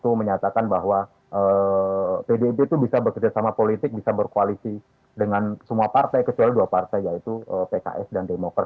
jadi saya menyatakan bahwa pdip itu bisa bekerja sama politik bisa berkoalisi dengan semua partai kecuali dua partai yaitu pks dan demokrat